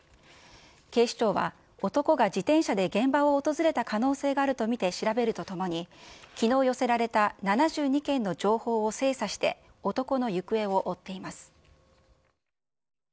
警視庁は、男が自転車で現場を訪れた可能性があると見て調べるとともに、きのう寄せられた７２件の情報を精査して、男の行方を追っています。